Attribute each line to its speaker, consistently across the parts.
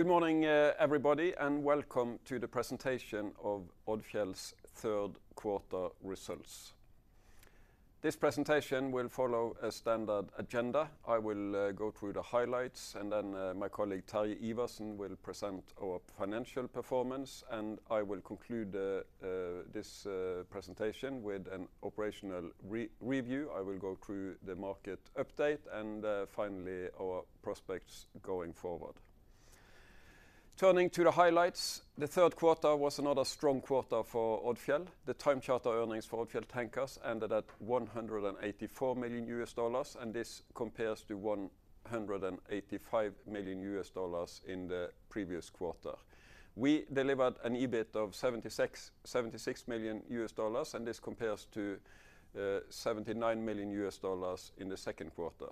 Speaker 1: Good morning, everybody, and welcome to the presentation of Odfjell's third quarter results. This presentation will follow a standard agenda. I will go through the highlights, and then my colleague, Terje Iversen, will present our financial performance, and I will conclude this presentation with an operational review. I will go through the market update and finally, our prospects going forward. Turning to the highlights, the third quarter was another strong quarter for Odfjell. The time charter earnings for Odfjell Tankers ended at $184 million, and this compares to $185 million in the previous quarter. We delivered an EBIT of $76 million, and this compares to $79 million in the second quarter.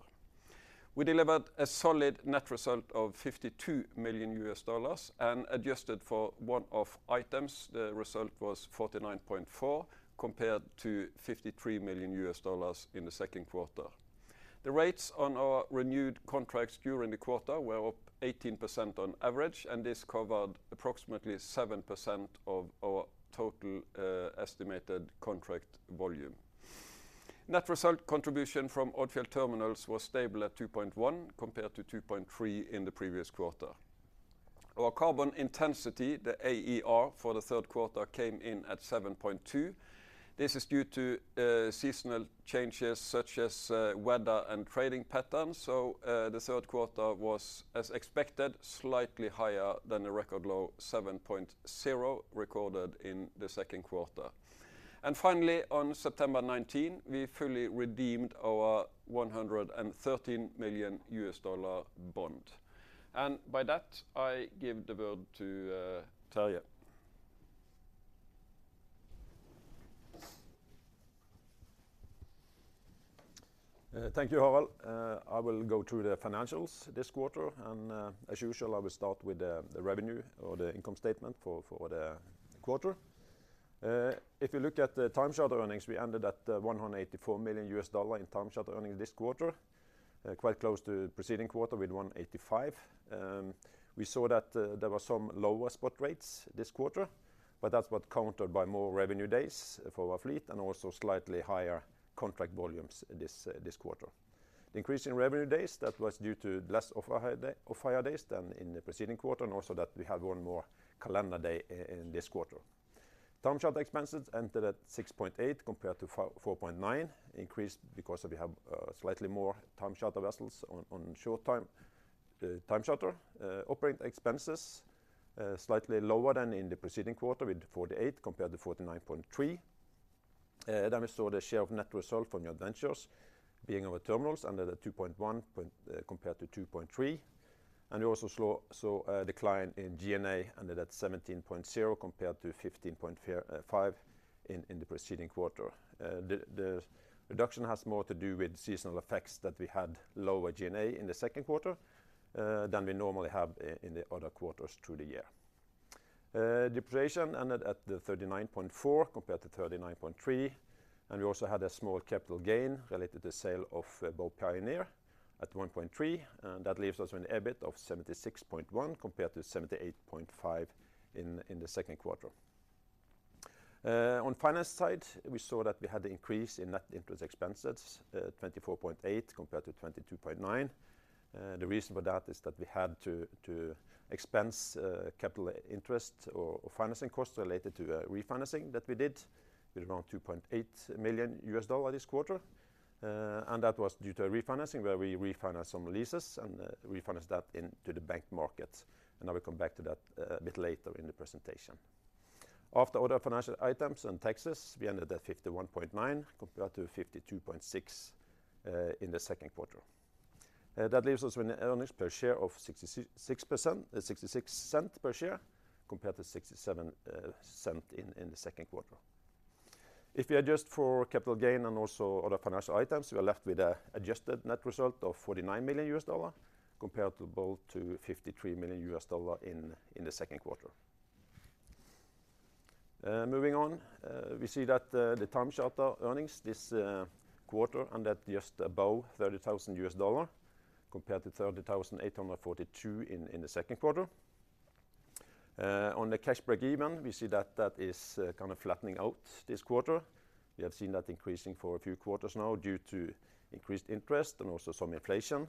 Speaker 1: We delivered a solid net result of $52 million and adjusted for one-off items, the result was $49.4 million, compared to $53 million in the second quarter. The rates on our renewed contracts during the quarter were up 18% on average, and this covered approximately 7% of our total, estimated contract volume. Net result contribution from Odfjell Terminals was stable at 2.1, compared to 2.3 in the previous quarter. Our carbon intensity, the AER for the third quarter, came in at 7.2. This is due to, seasonal changes such as, weather and trading patterns. So, the third quarter was, as expected, slightly higher than the record low 7.0, recorded in the second quarter. And finally, on September 19, we fully redeemed our $113 million bond. And by that, I give the word to Terje.
Speaker 2: Thank you, Harald. I will go through the financials this quarter, and, as usual, I will start with the revenue or the income statement for the quarter. If you look at the time charter earnings, we ended at $184 million in time charter earnings this quarter. Quite close to preceding quarter with $185 million. We saw that there were some lower spot rates this quarter, but that's what countered by more revenue days for our fleet and also slightly higher contract volumes this quarter. The increase in revenue days, that was due to less off-hire days than in the preceding quarter, and also that we have one more calendar day in this quarter. Time charter expenses ended at $6.8, compared to $4.9, increased because we have slightly more time charter vessels on short time. The time charter operating expenses slightly lower than in the preceding quarter, with 48 compared to 49.3. Then we saw the share of net result from joint ventures being our terminals at $2.1, compared to $2.3. We also saw a decline in G&A ended at $17.0, compared to $15.5 in the preceding quarter. The reduction has more to do with seasonal effects that we had lower G&A in the second quarter than we normally have in the other quarters through the year. Depreciation ended at $39.4 million, compared to $39.3 million, and we also had a small capital gain related to the sale of Bow Pioneer at $1.3 million, and that leaves us with an EBIT of $76.1 million, compared to $78.5 million in the second quarter. On finance side, we saw that we had the increase in net interest expenses, $24.8 million compared to $22.9 million. The reason for that is that we had to expense capital interest or financing costs related to a refinancing that we did with around $2.8 million this quarter. And that was due to a refinancing where we refinanced some leases and refinanced that into the bank market. I will come back to that a bit later in the presentation. After other financial items and taxes, we ended at $51.9, compared to $52.6 in the second quarter. That leaves us with an earnings per share of $0.66 per share, compared to $0.67 in the second quarter. If you adjust for capital gain and also other financial items, we are left with an adjusted net result of $49 million, compared to $53 million in the second quarter. Moving on, we see that the time charter earnings this quarter ended just above $30,000, compared to $30,842 in the second quarter. On the cash break-even, we see that that is kind of flattening out this quarter. We have seen that increasing for a few quarters now due to increased interest and also some inflation.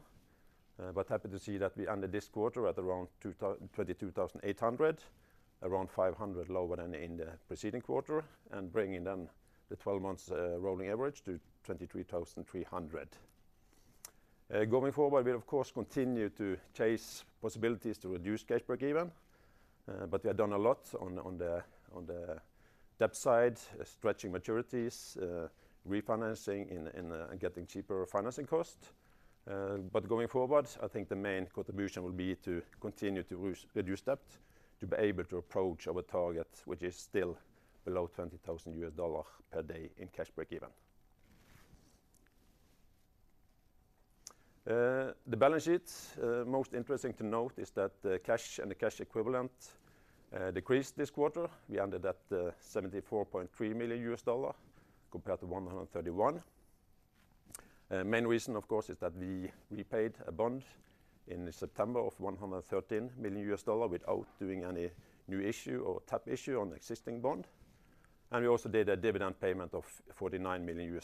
Speaker 2: But happy to see that we ended this quarter at around $22,800, around $500 lower than in the preceding quarter, and bringing down the 12-month rolling average to $23,300. Going forward, we of course continue to chase possibilities to reduce cash break-even, but we have done a lot on the debt side, stretching maturities, refinancing and getting cheaper financing cost. But going forward, I think the main contribution will be to continue to reduce debt, to be able to approach our target, which is still below $20,000 per day in cash break-even. The balance sheet, most interesting to note is that the cash and the cash equivalent decreased this quarter. We ended at $74.3 million, compared to $131 million. The main reason, of course, is that we paid a bond in September of $113 million without doing any new issue or tap issue on the existing bond, and we also did a dividend payment of $49 million.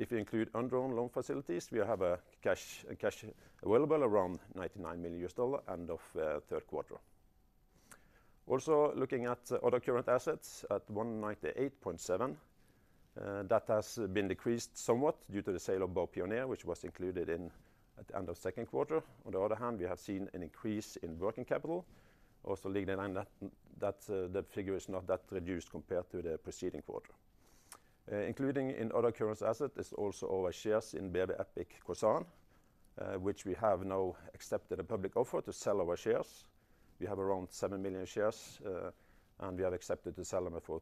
Speaker 2: If you include undrawn loan facilities, we have a cash, a cash available around $99 million end of third quarter. Also, looking at other current assets at $198.7 million, that has been decreased somewhat due to the sale of Bow Pioneer, which was included in at the end of second quarter. On the other hand, we have seen an increase in working capital. Also, in line with that, the figure is not that reduced compared to the preceding quarter. Included in other current assets is also our shares in BW Epic Kosan, which we have now accepted a public offer to sell our shares. We have around 7 million shares, and we have accepted to sell them for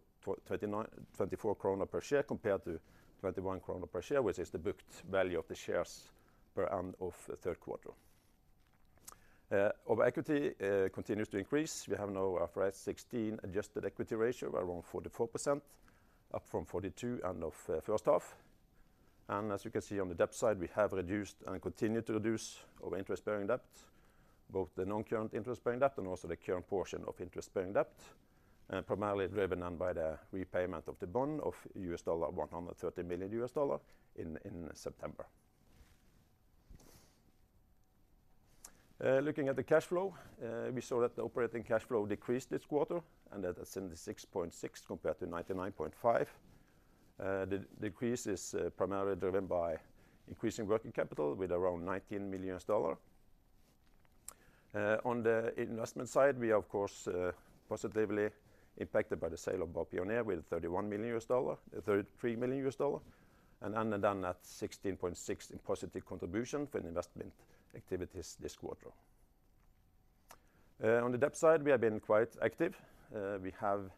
Speaker 2: 39.24 krone per share, compared to 21 krone per share, which is the booked value of the shares at end of the third quarter. Our equity continues to increase. We have now IFRS 16 adjusted equity ratio of around 44%, up from 42% end of first half. As you can see on the debt side, we have reduced and continued to reduce our interest-bearing debt, both the non-current interest-bearing debt and also the current portion of interest-bearing debt, primarily driven by the repayment of the $130 million bond in September. Looking at the cash flow, we saw that the operating cash flow decreased this quarter, and that is 76.6 compared to 99.5. The decrease is primarily driven by increasing working capital with around $19 million. On the investment side, we of course are positively impacted by the sale of Bow Pioneer with $31 million... $33 million, and net of that, 16.6 in positive contribution for investment activities this quarter. On the debt side, we have been quite active. We have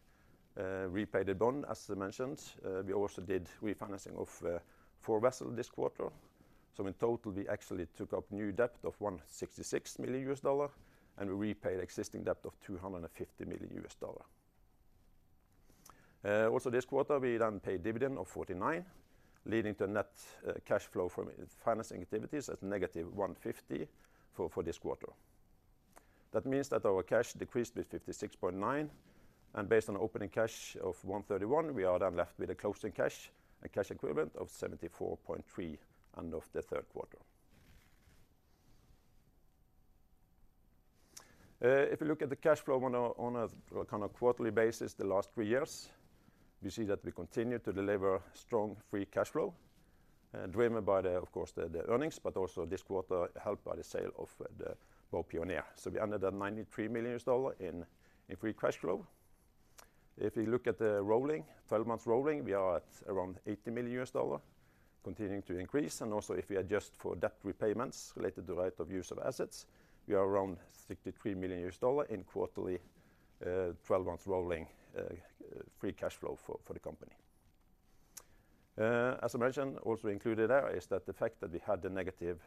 Speaker 2: repaid the bond, as I mentioned. We also did refinancing of four vessels this quarter. So in total, we actually took up new debt of $166 million, and we repaid existing debt of $250 million. Also this quarter, we then paid dividend of $49 million, leading to net cash flow from financing activities at negative $150 million for this quarter. That means that our cash decreased with $56.9 million, and based on opening cash of $131 million, we are then left with a closing cash, a cash equivalent of $74.3 million end of the third quarter. If you look at the cash flow on a kind of quarterly basis, the last three years, you see that we continue to deliver strong free cash flow, driven by, of course, the earnings, but also this quarter, helped by the sale of the Bow Pioneer. So we ended at $93 million in free cash flow. If you look at the rolling 12 months, we are at around $80 million, continuing to increase. And also, if you adjust for debt repayments related to right of use of assets, we are around $63 million in quarterly 12 months rolling free cash flow for the company. As I mentioned, also included there is that the fact that we had the negative,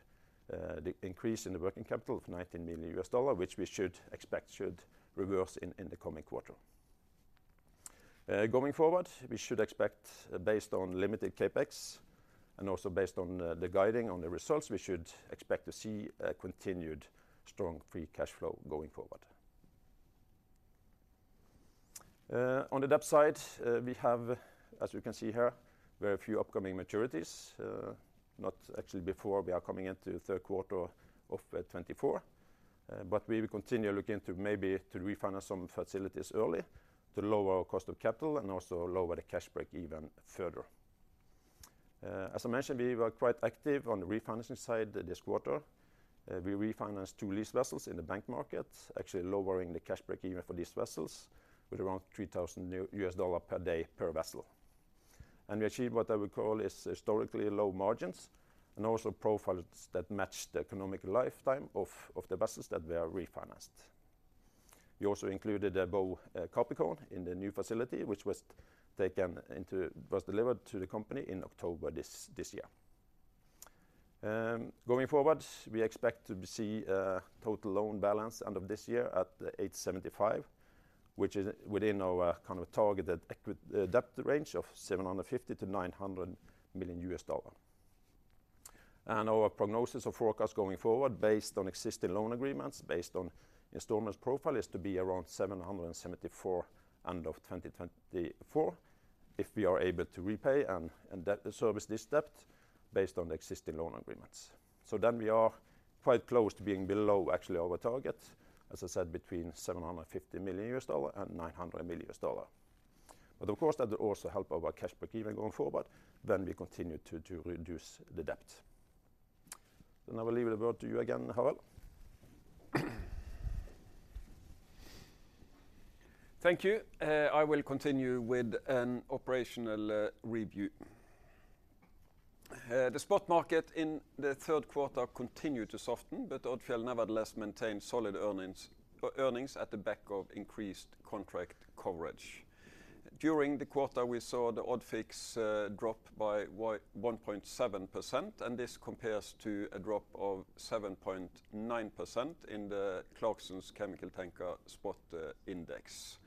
Speaker 2: the increase in the working capital of $19 million, which we should expect should reverse in the coming quarter. Going forward, we should expect, based on limited CapEx, and also based on the guiding on the results, we should expect to see a continued strong free cash flow going forward. On the debt side, we have, as you can see here, very few upcoming maturities, not actually before we are coming into the third quarter of 2024. But we will continue looking to maybe to refinance some facilities early to lower our cost of capital and also lower the cash break-even further. As I mentioned, we were quite active on the refinancing side this quarter. We refinanced two lease vessels in the bank market, actually lowering the cash break-even for these vessels with around $3,000 per day per vessel. And we achieved what I would call is historically low margins and also profiles that match the economic lifetime of the vessels that were refinanced. We also included the Bow Capricorn in the new facility, which was delivered to the company in October this year. Going forward, we expect to see a total loan balance end of this year at $875, which is within our kind of targeted equity-debt range of $750 million-$900 million. And our prognosis of forecast going forward, based on existing loan agreements, based on installments profile, is to be around 774 end of 2024, if we are able to repay and debt service this debt based on the existing loan agreements. So then we are quite close to being below actually our target, as I said, between $750 million and $900 million. But of course, that will also help our cash break-even going forward, then we continue to reduce the debt. Then I will leave the word to you again, Harald.
Speaker 1: Thank you. I will continue with an operational review. The spot market in the third quarter continued to soften, but Odfjell nevertheless maintained solid earnings at the back of increased contract coverage. During the quarter, we saw the ODFIX drop by 1.7%, and this compares to a drop of 7.9% in the Clarksons Chemical Tanker Spot Index.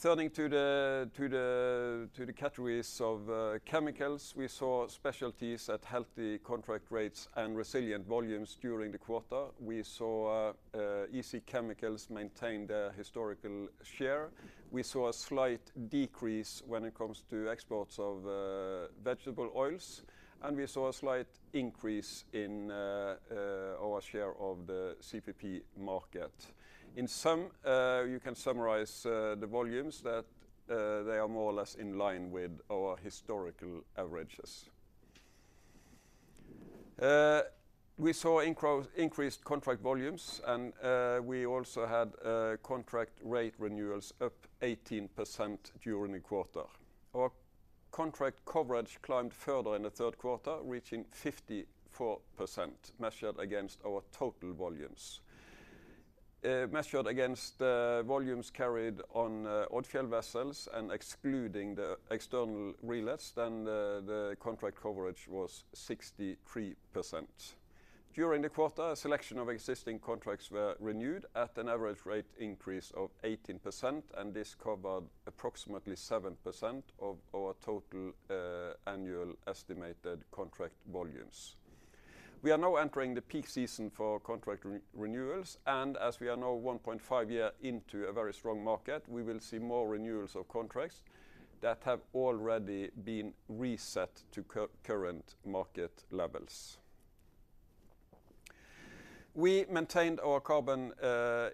Speaker 1: Turning to the categories of chemicals, we saw specialties at healthy contract rates and resilient volumes during the quarter. We saw easy chemicals maintain their historical share. We saw a slight decrease when it comes to exports of vegetable oils, and we saw a slight increase in our share of the CPP market. In sum, you can summarize the volumes that they are more or less in line with our historical averages. We saw increased contract volumes, and we also had contract rate renewals up 18% during the quarter. Our contract coverage climbed further in the third quarter, reaching 54%, measured against our total volumes. Measured against the volumes carried on Odfjell vessels and excluding the external relets, then the contract coverage was 63%. During the quarter, a selection of existing contracts were renewed at an average rate increase of 18%, and this covered approximately 7% of our total annual estimated contract volumes. We are now entering the peak season for contract renewals, and as we are now 1.5 years into a very strong market, we will see more renewals of contracts that have already been reset to current market levels. We maintained our carbon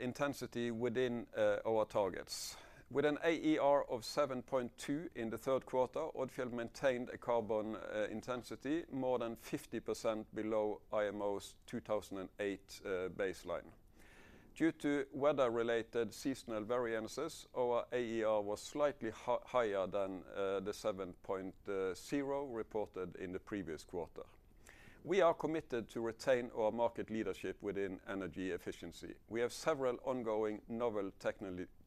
Speaker 1: intensity within our targets. With an AER of 7.2 in the third quarter, Odfjell maintained a carbon intensity more than 50% below IMO's 2008 baseline. Due to weather-related seasonal variances, our AER was slightly higher than the 7.0 reported in the previous quarter. We are committed to retain our market leadership within energy efficiency. We have several ongoing novel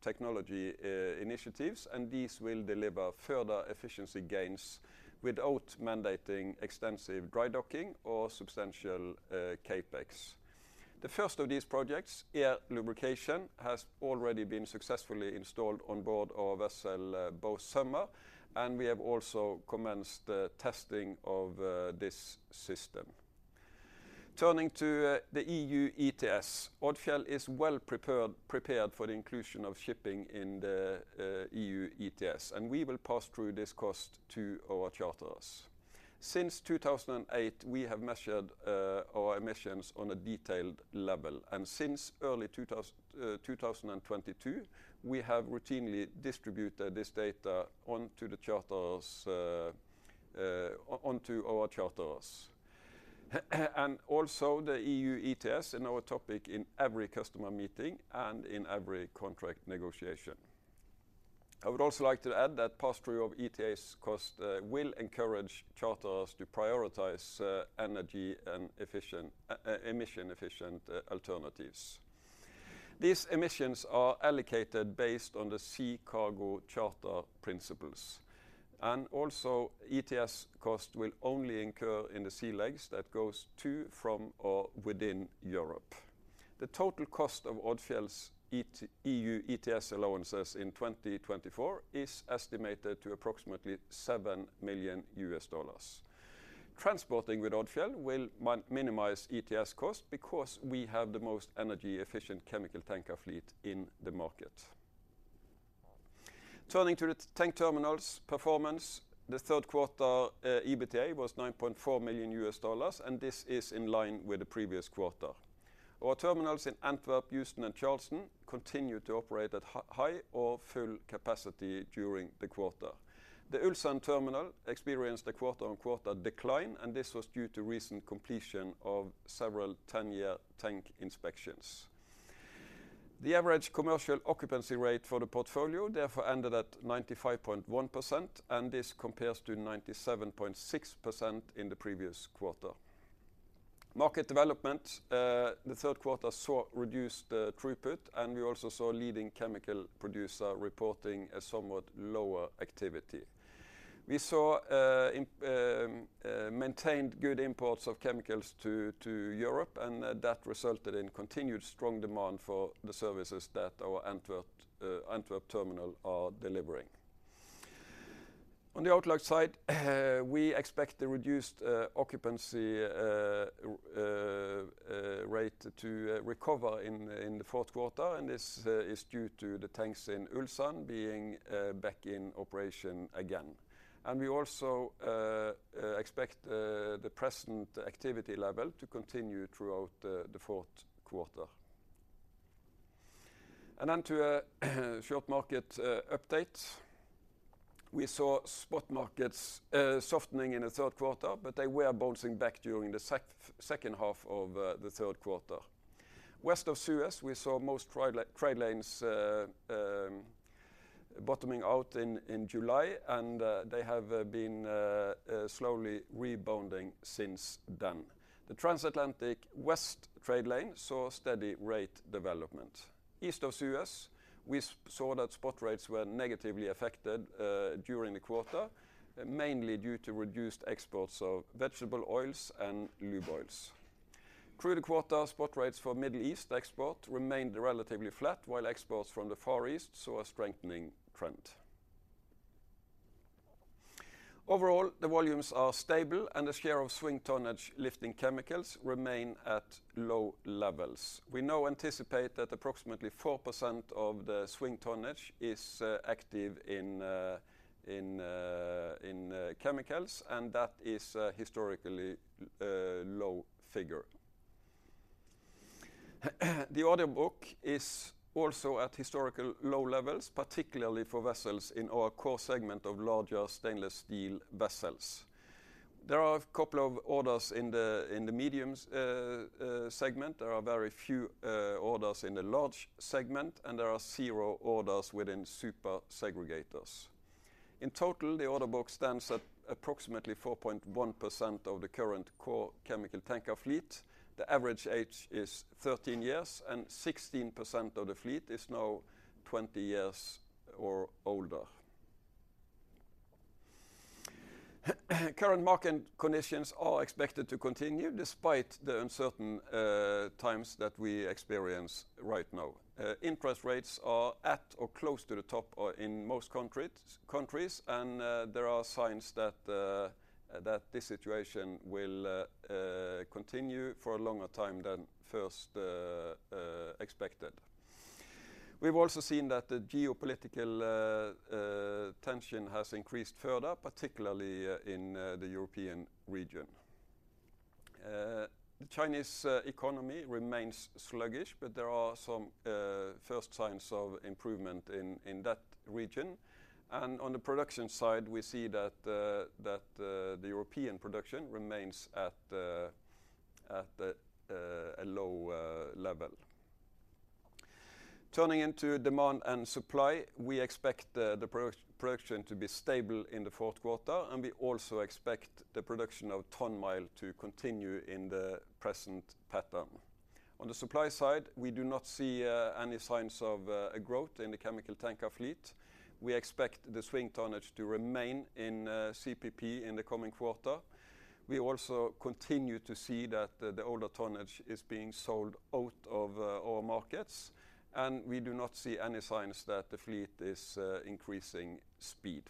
Speaker 1: technology initiatives, and these will deliver further efficiency gains without mandating extensive dry docking or substantial CapEx. The first of these projects, air lubrication, has already been successfully installed on board our vessel, Bow Summer, and we have also commenced the testing of this system. Turning to the EU ETS, Odfjell is well prepared, prepared for the inclusion of shipping in the EU ETS, and we will pass through this cost to our charterers. Since 2008, we have measured our emissions on a detailed level, and since early 2022, we have routinely distributed this data onto our charters. And also the EU ETS in our topic in every customer meeting and in every contract negotiation. I would also like to add that pass-through of ETS cost will encourage charters to prioritize emission efficient alternatives. These emissions are allocated based on the Sea Cargo Charter principles, and also ETS cost will only incur in the sea legs that goes to, from, or within Europe. The total cost of Odfjell's EU ETS allowances in 2024 is estimated to approximately $7 million. Transporting with Odfjell will minimize ETS costs because we have the most energy-efficient chemical tanker fleet in the market. Turning to the tank terminals performance, the third quarter, EBITDA was $9.4 million, and this is in line with the previous quarter. Our terminals in Antwerp, Houston, and Charleston continued to operate at high or full capacity during the quarter. The Ulsan Terminal experienced a quarter-on-quarter decline, and this was due to recent completion of several ten-year tank inspections. The average commercial occupancy rate for the portfolio therefore ended at 95.1%, and this compares to 97.6% in the previous quarter. Market development, the third quarter saw reduced throughput, and we also saw leading chemical producer reporting a somewhat lower activity. We saw maintained good imports of chemicals to Europe, and that resulted in continued strong demand for the services that our Antwerp terminal are delivering. On the outlook side, we expect the reduced occupancy rate to recover in the fourth quarter, and this is due to the tanks in Ulsan being back in operation again. And we also expect the present activity level to continue throughout the fourth quarter. And then to a short market update. We saw spot markets softening in the third quarter, but they were bouncing back during the second half of the third quarter. West of Suez, we saw most trade lanes bottoming out in July, and they have been slowly rebounding since then. The transatlantic west trade lane saw steady rate development. East of Suez, we saw that spot rates were negatively affected during the quarter, mainly due to reduced exports of vegetable oils and lube oils. Through the quarter, spot rates for Middle East export remained relatively flat, while exports from the Far East saw a strengthening trend. Overall, the volumes are stable, and the share of swing tonnage lifting chemicals remain at low levels. We now anticipate that approximately 4% of the swing tonnage is active in chemicals, and that is a historically low figure. The order book is also at historical low levels, particularly for vessels in our core segment of larger stainless steel vessels. There are a couple of orders in the mediums segment. There are very few orders in the large segment, and there are zero orders within Super Segregators. In total, the order book stands at approximately 4.1% of the current core chemical tanker fleet. The average age is 13 years, and 16% of the fleet is now 20 years or older. Current market conditions are expected to continue, despite the uncertain times that we experience right now. Interest rates are at or close to the top or in most countries, and there are signs that this situation will continue for a longer time than first expected. We've also seen that the geopolitical tension has increased further, particularly in the European region. The Chinese economy remains sluggish, but there are some first signs of improvement in that region. And on the production side, we see that the European production remains at a low level. Turning to demand and supply, we expect the production to be stable in the fourth quarter, and we also expect the production of ton-mile to continue in the present pattern. On the supply side, we do not see any signs of a growth in the chemical tanker fleet. We expect the swing tonnage to remain in CPP in the coming quarter. We also continue to see that the older tonnage is being sold out of our markets, and we do not see any signs that the fleet is increasing speed.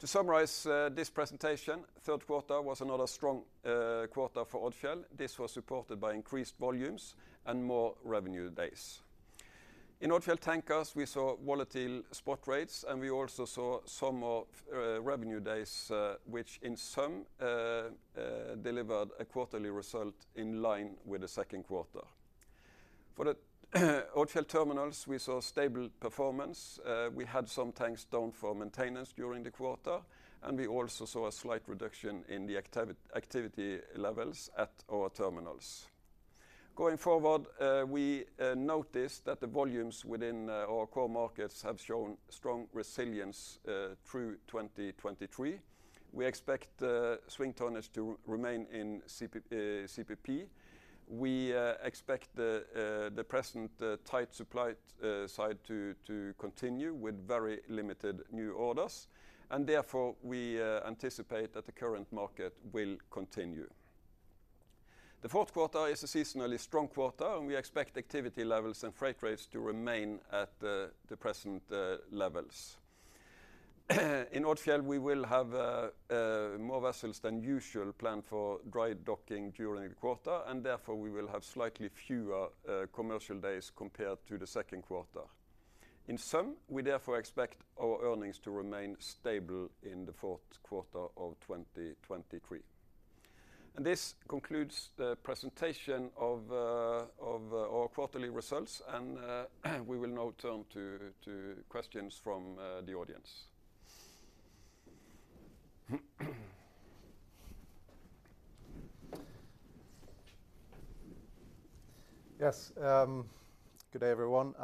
Speaker 1: To summarize this presentation, third quarter was another strong quarter for Odfjell. This was supported by increased volumes and more revenue days. In Odfjell Tankers, we saw volatile spot rates, and we also saw sum of revenue days which in sum delivered a quarterly result in line with the second quarter. For the Odfjell Terminals, we saw stable performance. We had some tanks down for maintenance during the quarter, and we also saw a slight reduction in the activity levels at our terminals. Going forward, we noticed that the volumes within our core markets have shown strong resilience through 2023. We expect swing tonnage to remain in CPP. We expect the present tight supply side to continue with very limited new orders, and therefore, we anticipate that the current market will continue. The fourth quarter is a seasonally strong quarter, and we expect activity levels and freight rates to remain at the present levels. In Odfjell, we will have more vessels than usual planned for dry docking during the quarter, and therefore, we will have slightly fewer commercial days compared to the second quarter. In sum, we therefore expect our earnings to remain stable in the fourth quarter of 2023. This concludes the presentation of our quarterly results, and we will now turn to questions from the audience.
Speaker 3: Yes, good day, everyone.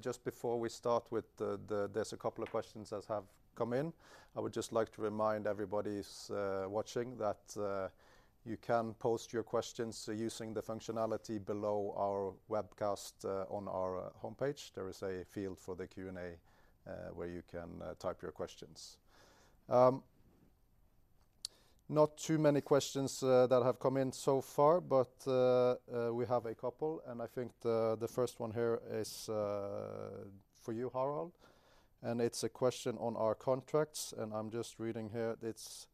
Speaker 3: Just before we start with the, there's a couple of questions that have come in. I would just like to remind everybody's watching that you can post your questions using the functionality below our webcast on our homepage. There is a field for the Q&A where you can type your questions. Not too many questions that have come in so far, but we have a couple, and I think the first one here is for you, Harald, and it's a question on our contracts, and I'm just reading here. It's: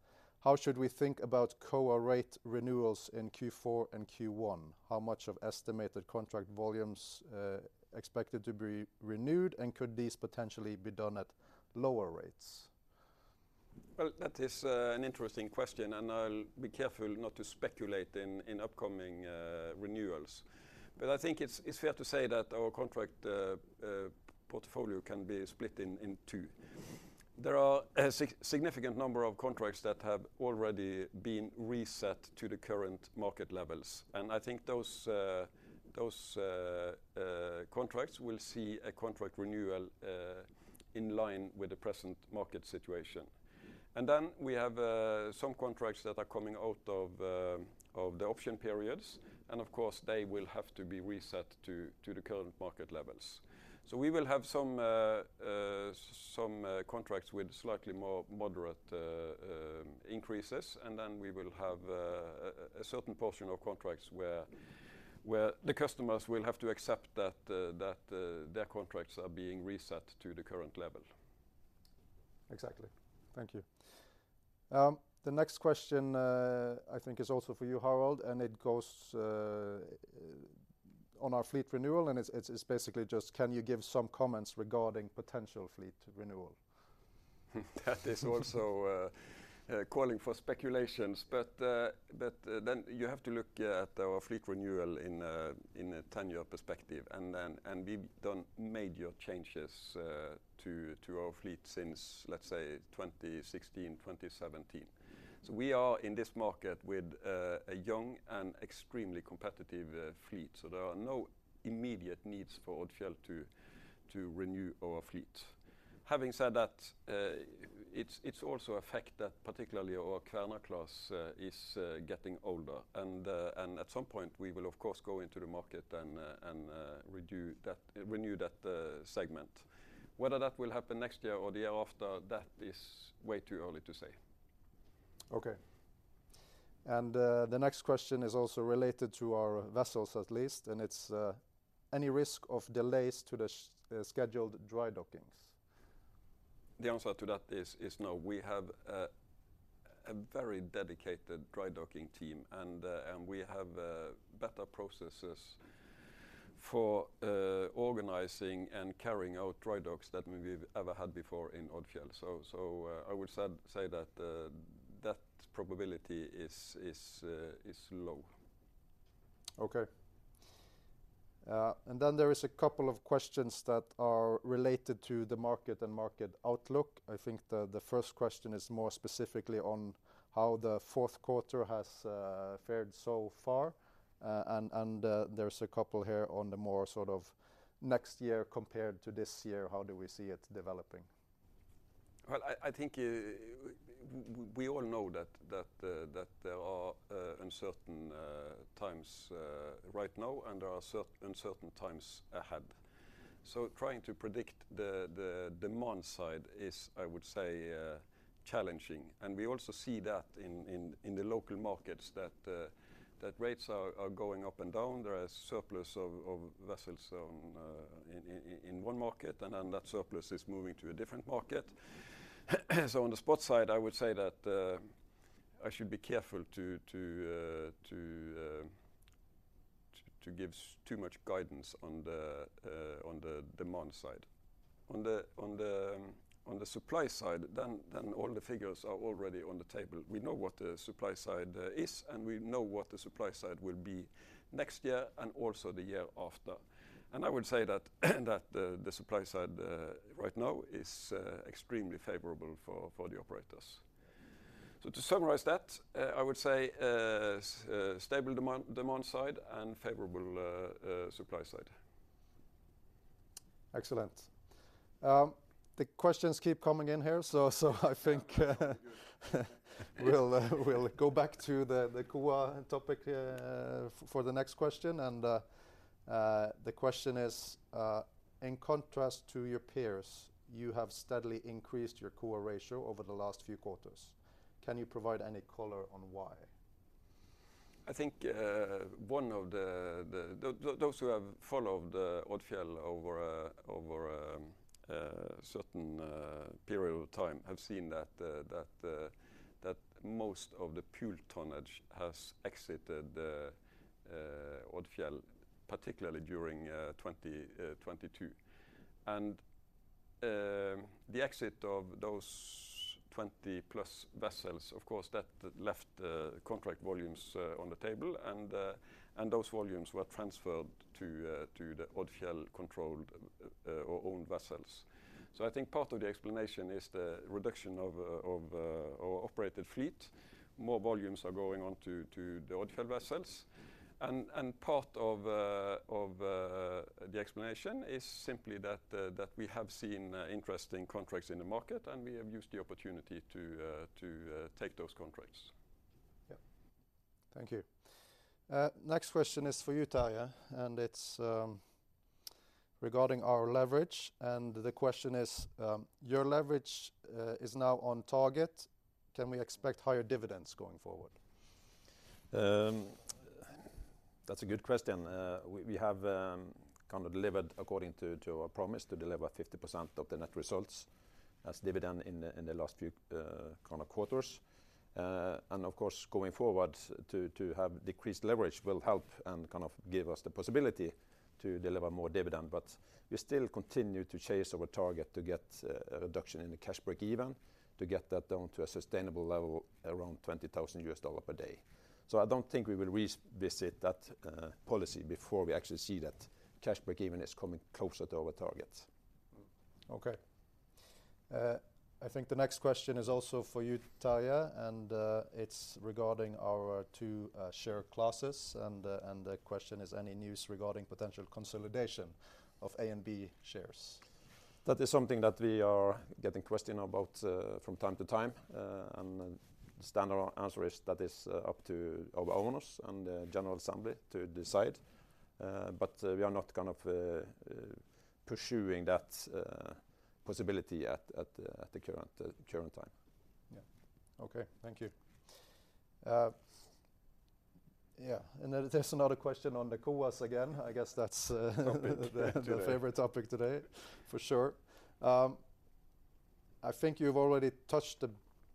Speaker 3: "How should we think about COA rate renewals in Q4 and Q1? How much of estimated contract volumes expected to be renewed, and could these potentially be done at lower rates?
Speaker 1: Well, that is an interesting question, and I'll be careful not to speculate in upcoming renewals. But I think it's fair to say that our contract portfolio can be split in two. There are a significant number of contracts that have already been reset to the current market levels, and I think those contracts will see a contract renewal in line with the present market situation. And then we have some contracts that are coming out of the option periods, and of course, they will have to be reset to the current market levels. So we will have some contracts with slightly more moderate increases, and then we will have a certain portion of contracts where the customers will have to accept that their contracts are being reset to the current level.
Speaker 3: Exactly. Thank you. The next question, I think, is also for you, Harald, and it goes on our fleet renewal, and it's basically just: "Can you give some comments regarding potential fleet renewal?
Speaker 1: That is also calling for speculations. But, but, then you have to look at our fleet renewal in a 10-year perspective. And then and we've done major changes to our fleet since, let's say, 2016, 2017. So we are in this market with a young and extremely competitive fleet, so there are no immediate needs for Odfjell to renew our fleet. Having said that, it's also a fact that particularly our Kværner class is getting older. And at some point, we will, of course, go into the market and redo that, renew that segment. Whether that will happen next year or the year after, that is way too early to say.
Speaker 3: Okay. And, the next question is also related to our vessels at least, and it's: "Any risk of delays to the scheduled dry dockings?
Speaker 1: The answer to that is no. We have a very dedicated dry docking team, and we have better processes for organizing and carrying out dry docks than we've ever had before in Odfjell. So, I would say that probability is low.
Speaker 3: Okay. And then there is a couple of questions that are related to the market and market outlook. I think the first question is more specifically on how the fourth quarter has fared so far. And there's a couple here on the more sort of next year compared to this year, how do we see it developing?
Speaker 1: Well, I think we all know that there are uncertain times right now, and there are uncertain times ahead. So trying to predict the demand side is, I would say, challenging. And we also see that in the local markets, that rates are going up and down. There are surplus of vessels in one market, and then that surplus is moving to a different market. So on the spot side, I would say that I should be careful to give too much guidance on the demand side. On the supply side, all the figures are already on the table. We know what the supply side is, and we know what the supply side will be next year, and also the year after. And I would say that the supply side right now is extremely favorable for the operators. So to summarize that, I would say stable demand side and favorable supply side.
Speaker 3: Excellent. The questions keep coming in here, so I think we'll, we'll go back to the, the COA topic, for the next question.
Speaker 1: Good
Speaker 3: And, the question is: "In contrast to your peers, you have steadily increased your COA ratio over the last few quarters. Can you provide any color on why?
Speaker 1: I think one of those who have followed Odfjell over a certain period of time have seen that most of the pure tonnage has exited the Odfjell, particularly during 2022. The exit of those 20+ vessels, of course, that left contract volumes on the table. And those volumes were transferred to the Odfjell-controlled or owned vessels. So I think part of the explanation is the reduction of our operated fleet. More volumes are going on to the Odfjell vessels. And part of the explanation is simply that we have seen interesting contracts in the market, and we have used the opportunity to take those contracts.
Speaker 3: Yeah. Thank you. Next question is for you, Terje, and it's regarding our leverage, and the question is: "Your leverage is now on target. Can we expect higher dividends going forward?
Speaker 2: That's a good question. We, we have, kind of delivered according to, to our promise to deliver 50% of the net results as dividend in the, in the last few, kind of quarters. And of course, going forward to, to have decreased leverage will help and kind of give us the possibility to deliver more dividend. But we still continue to chase our target to get, a reduction in the cash break-even, to get that down to a sustainable level, around $20,000 per day. So I don't think we will revisit that, policy before we actually see that cash break-even is coming closer to our target.
Speaker 3: Okay. I think the next question is also for you, Terje, and, and the question is, "Any news regarding potential consolidation of A and B shares?
Speaker 2: That is something that we are getting questioned about, from time to time. And the standard answer is that is up to our owners and the general assembly to decide. But we are not going off pursuing that possibility at the current time.
Speaker 3: Yeah. Okay, thank you. Yeah, and then there's another question on the COAs again. I guess that's the favorite topic today, for sure. I think you've already touched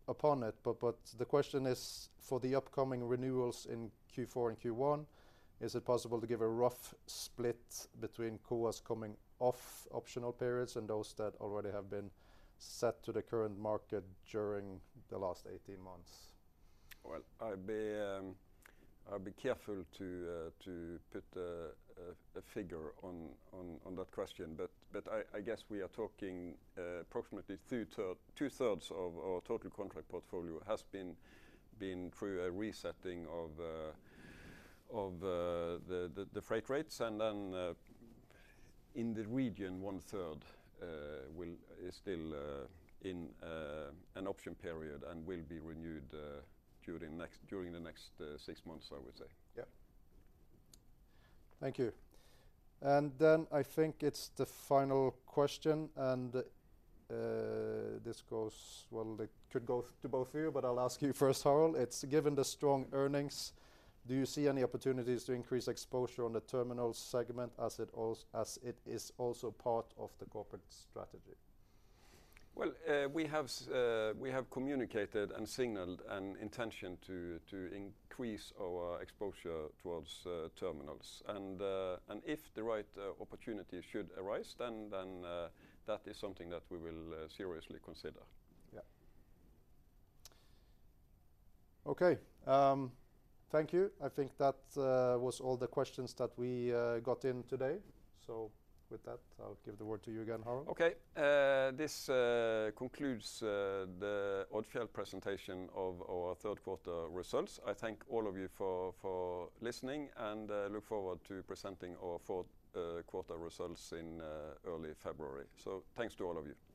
Speaker 3: upon it, but the question is: for the upcoming renewals in Q4 and Q1, is it possible to give a rough split between COAs coming off optional periods and those that already have been set to the current market during the last 18 months?
Speaker 1: Well, I'll be careful to put a figure on that question. But I guess we are talking approximately two-thirds of our total contract portfolio has been through a resetting of the freight rates. And then in the region, one-third is still in an option period and will be renewed during the next six months, I would say.
Speaker 3: Yeah. Thank you. And then, I think it's the final question, and, this goes—well, it could go to both of you, but I'll ask you first, Harald. It's: given the strong earnings, do you see any opportunities to increase exposure on the terminal segment as it is also part of the corporate strategy?
Speaker 1: Well, we have communicated and signaled an intention to increase our exposure towards terminals. And if the right opportunity should arise, then that is something that we will seriously consider.
Speaker 3: Yeah. Okay, thank you. I think that was all the questions that we got in today. So with that, I'll give the word to you again, Harald.
Speaker 1: Okay. This concludes the Odfjell presentation of our third quarter results. I thank all of you for listening, and look forward to presenting our fourth quarter results in early February. So thanks to all of you.